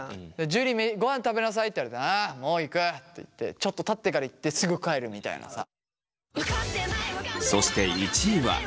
「樹ごはん食べなさい」って言われて「ああもう行く」って言ってちょっとたってから行ってすぐ帰るみたいなさ。